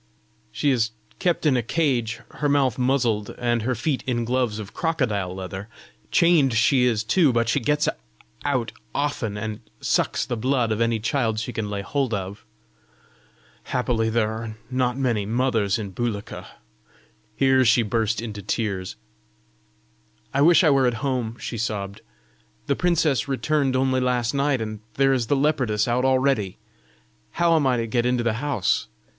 "She is kept in a cage, her mouth muzzled, and her feet in gloves of crocodile leather. Chained she is too; but she gets out often, and sucks the blood of any child she can lay hold of. Happily there are not many mothers in Bulika!" Here she burst into tears. "I wish I were at home!" she sobbed. "The princess returned only last night, and there is the leopardess out already! How am I to get into the house?